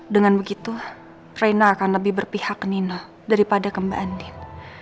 dengan begitu reina akan lebih berpihak ke nino daripada ke mbak andin